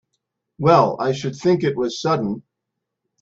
Well I should think it was sudden!